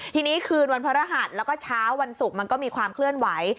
ทีนี้คืนวันพระรหัสแล้วก็เช้าวันศุกร์มันก็มีความเคลื่อนไหว